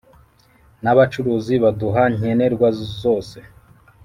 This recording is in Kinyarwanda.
N’abacuruzi baduha nkenerwa zose